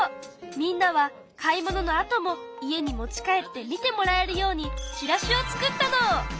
みんなは買い物のあとも家に持ち帰って見てもらえるようにチラシを作ったの！